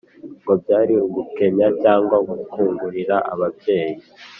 ngo byari ugukenya cyangwa gukungurira ababyeyi